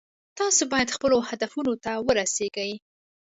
تاسو باید خپلو هدفونو ته ورسیږئ